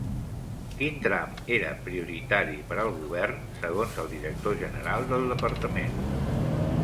Quin tram era prioritari per al govern segons el director general del departament?